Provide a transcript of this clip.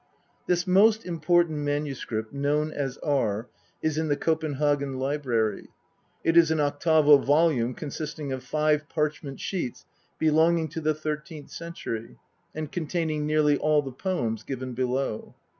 This most important MS., known as R, is in the Copenhagen library : it is an octavo volume consisting of five parchment sheets belonging to the thirteenth century, and containing nearly all the poems given below.